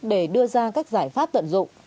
để đưa ra các giải pháp tận dụng